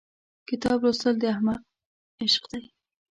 کتاب لوستل د احمد عشق دی.